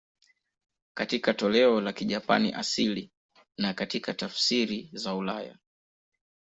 Katika toleo la Kijapani asili na katika tafsiri za ulaya.